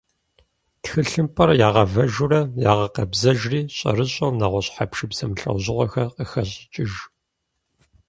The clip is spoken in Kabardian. Тхылъымпӏэр ягъэвэжурэ ягъэкъэбзэжри, щӏэрыщӏэу нэгъуэщӏ хьэпшып зэмылӏэужьыгъуэхэр къыхащӏыкӏыж.